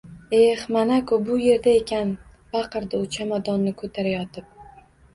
Eh, mana-ku, bu yerda ekan, – baqirdi u chamadonni koʻtarayotib.